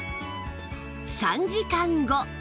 ３時間後